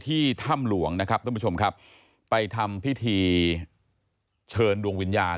ถ้ำหลวงนะครับท่านผู้ชมครับไปทำพิธีเชิญดวงวิญญาณ